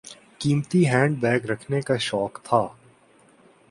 قیمتی handbag رکھنے کا شوق تھا۔